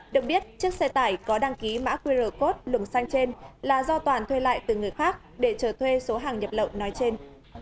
được biết chiếc xe tải có đăng ký mã qr code luồng xanh trên là do toàn thuê lại từ người khác để chờ thuê số hàng nhập lậu nói trên